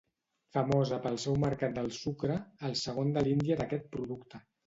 Famosa pel seu mercat del sucre, el segon de l'Índia d'aquest producte.